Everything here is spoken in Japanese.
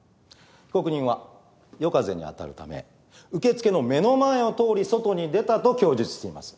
被告人は夜風に当たるため受付の目の前を通り外に出たと供述しています。